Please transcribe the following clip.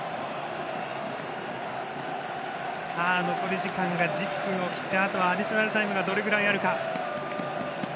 後半１０分を切ってあとはアディショナルタイムどれぐらいあるか。